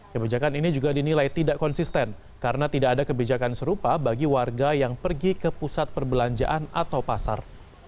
kebijakan ini juga dinilai tidak konsisten karena tidak ada kebijakan serupa bagi warga yang pergi ke pusat perbelanjaan atau pasar